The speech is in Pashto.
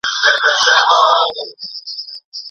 قانون بايد په جديت پلي سي.